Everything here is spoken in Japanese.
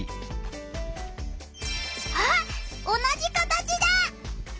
あっ同じ形だ！